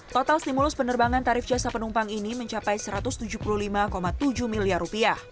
total stimulus penerbangan tarif jasa penumpang ini mencapai rp satu ratus tujuh puluh lima tujuh miliar